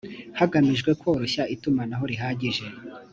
hagamijwe koroshya itumanaho rihagije